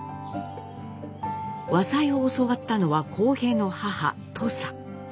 和裁を教わったのは康平の母とさ。